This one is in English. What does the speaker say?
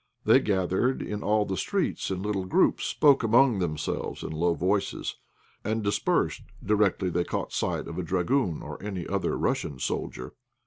They gathered in all the streets in little groups, spoke among themselves in low voices, and dispersed directly they caught sight of a dragoon or any other Russian soldier.